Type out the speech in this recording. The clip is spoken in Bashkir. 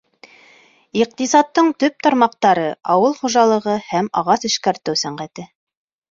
Иҡтисадтың төп тармаҡтары — ауыл хужалығы һәм ағас эшкәртеү сәнәғәте.